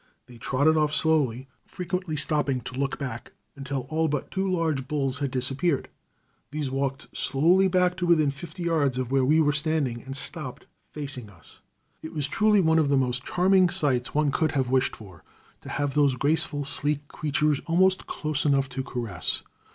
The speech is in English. They trotted off slowly, frequently stopping to look back, until all but two large bulls had disappeared. These walked slowly back to within fifty yards of where we were standing, and stopped, facing us. It was truly one of the most charming sights one could have wished for, to have those graceful, sleek creatures almost close enough to caress.